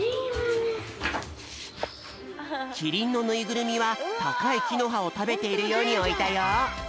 キリンのぬいぐるみはたかいきのはをたべているようにおいたよ。